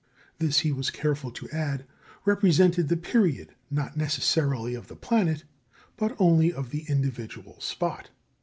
This, he was careful to add, represented the period, not necessarily of the planet, but only of the individual spot.